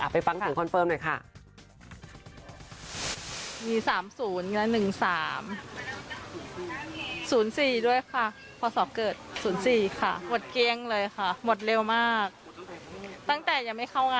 ไปฟังเสียงคอนเฟิร์มหน่อยค่ะ